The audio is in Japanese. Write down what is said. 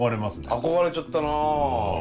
憧れちゃったな。